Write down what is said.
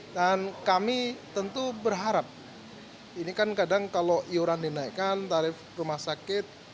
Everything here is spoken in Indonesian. dan kami tentu berharap ini kan kadang kalau iuran dinaikkan tarif rumah sakit